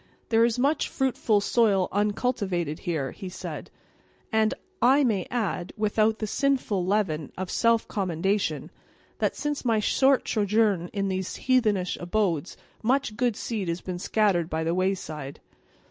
"There is much fruitful soil uncultivated here," he said; "and, I may add, without the sinful leaven of self commendation, that, since my short sojourn in these heathenish abodes, much good seed has been scattered by the wayside."